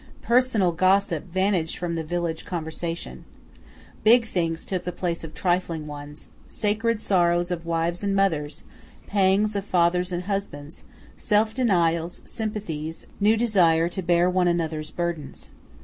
Personal gossip vanished from the village conversation. Big things took the place of trifling ones, sacred sorrows of wives and mothers, pangs of fathers and husbands, self denials, sympathies, new desire to bear one another's burdens.